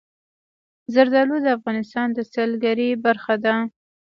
زردالو د افغانستان د سیلګرۍ برخه ده.